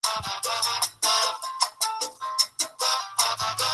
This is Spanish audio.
Toma su nombre de Vicente Campo Elías prócer de la independencia.